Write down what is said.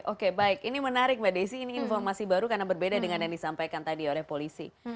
oke baik ini menarik mbak desi ini informasi baru karena berbeda dengan yang disampaikan tadi oleh polisi